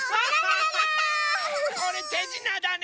これてじなだね。